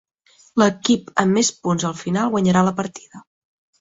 L'equip amb més punts al final, guanyarà la partida.